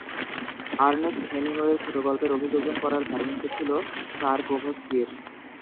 Ernst হেমিংওয়ের ছোটগল্পের অভিযোজন করার ধারণাটি ছিল টারকোভস্কির।